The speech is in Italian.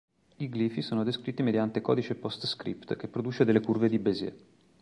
I glifi sono descritti mediante codice Postscript che produce delle curve di Bézier.